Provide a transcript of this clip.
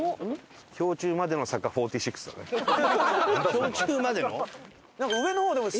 氷柱までの？